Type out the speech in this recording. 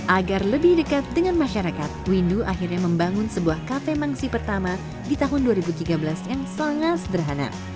agar lebih dekat dengan masyarakat windu akhirnya membangun sebuah kafe mangsi pertama di tahun dua ribu tiga belas yang sangat sederhana